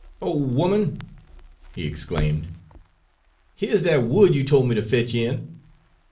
"Ole 'oman," he exclaimed, "here's dat wood you tol' me ter fetch in!